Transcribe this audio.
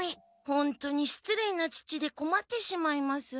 ホントにしつれいな父でこまってしまいます。